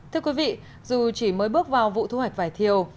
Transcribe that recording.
thưa quý vị dù chỉ mới bước vào vụ thu hoạch vải thiều